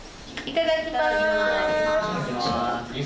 いただきます。